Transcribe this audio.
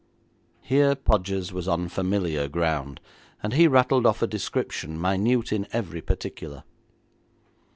Here Podgers was on familiar ground, and he rattled off a description minute in every particular.